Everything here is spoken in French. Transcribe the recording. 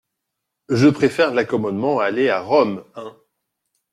Je préfère l'accommodement à aller à Rome, un°.